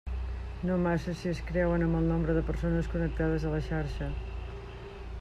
No massa si es creuen amb el nombre de persones connectades a la xarxa.